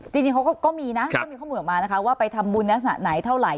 จริงเขาก็มีนะก็มีข้อมูลออกมานะคะว่าไปทำบุญลักษณะไหนเท่าไหร่